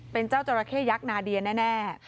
เป็นเจ้าจราเข้ยักษ์นาเดียแน่